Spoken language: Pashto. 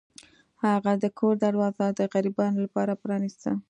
هغه د کور دروازه د غریبانو لپاره پرانیسته.